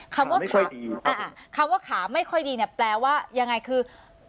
ขาไม่ค่อยดีคำว่าขาไม่ค่อยดีแปลว่ายังไงคือ